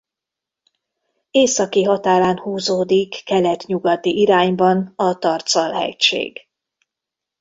Északi határán húzódik kelet-nyugati irányban a Tarcal-hegység.